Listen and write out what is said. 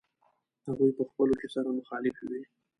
هغوی په خپلو کې سره مخالفې وې.